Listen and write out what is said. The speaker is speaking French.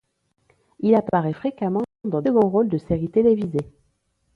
Il apparaît fréquemment dans des seconds rôles de séries télévisées.